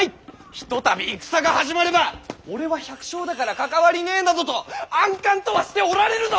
ひとたび戦が始まれば「俺は百姓だから関わりねぇ」などと安閑とはしておられぬぞ！